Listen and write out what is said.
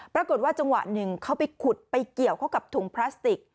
ปรากฏว่าจังหวะหนึ่งเขาไปขุดไปเกี่ยวเข้ากับถุงพลาสติก